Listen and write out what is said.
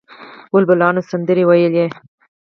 بلبلانو سندرې ویلې.